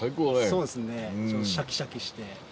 そうですねシャキシャキして。